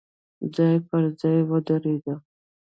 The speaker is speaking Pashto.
ځای په ځای ودرېد.